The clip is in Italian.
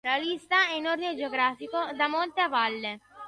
La lista è in ordine geografico, da monte a valle.